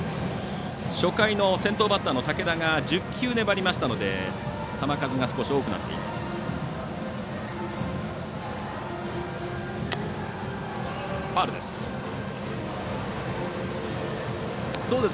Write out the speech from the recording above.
初回の先頭バッターの武田が１０球、粘りましたので球数が少し多くなっています。